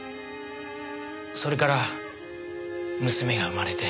それから娘が生まれて。